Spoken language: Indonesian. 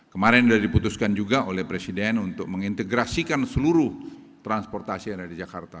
kemarin sudah diputuskan juga oleh presiden untuk mengintegrasikan seluruh transportasi yang ada di jakarta